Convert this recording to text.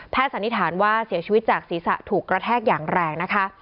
สันนิษฐานว่าเสียชีวิตจากศีรษะถูกกระแทกอย่างแรงนะคะ